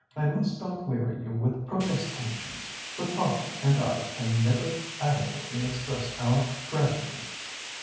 I must not weary you with protestations, but papa and I can never adequately express our gratitude."